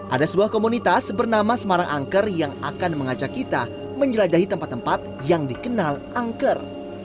ada sebuah komunitas bernama semarang angker yang akan mengajak kita menjelajahi tempat tempat yang dikenal angker